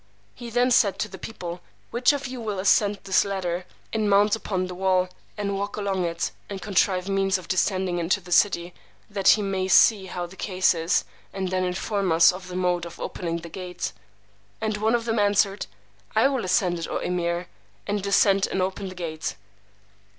He then said to the people, Which of you will ascend this ladder, and mount upon the wall, and walk along it, and contrive means of descending into the city, that he may see how the case is, and then inform us of the mode of opening the gate? And one of them answered, I will ascend it, O Emeer, and descend and open the gate.